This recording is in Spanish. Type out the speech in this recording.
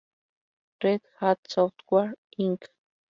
Red Hat Software Inc.